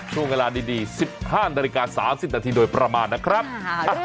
ช่วงเวลาดี๑๕นาฬิกา๓๐นาทีโดยประมาณนะครับ